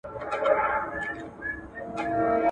په منډه ولاړه ویل ابتر یې.